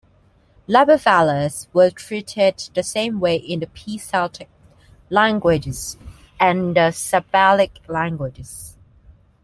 Labiovelars were treated the same way in the P-Celtic languages and the Sabellic languages.